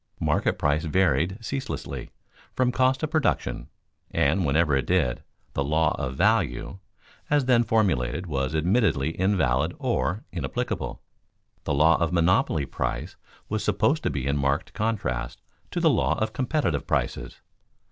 Market price varied ceaselessly from cost of production, and whenever it did "the law of value" as then formulated was admittedly invalid or inapplicable. The law of monopoly price was supposed to be in marked contrast to the law of competitive prices.